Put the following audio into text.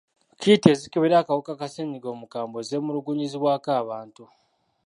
Kiiti ezikebera akawuka ka ssennyiga omukambwe zeemulugunyizibwako abantu.